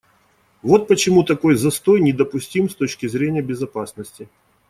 Вот почему такой застой недопустим с точки зрения безопасности.